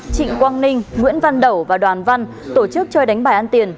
trịnh quang ninh nguyễn văn đậu và đoàn văn tổ chức chơi đánh bài ăn tiền